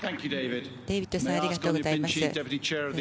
デービッドさんありがとうございます。